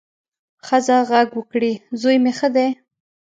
ښځه غږ وکړ، زوی مې ښه دی.